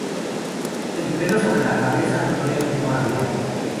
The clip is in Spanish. El pelo sobre la cabeza notoriamente más largo.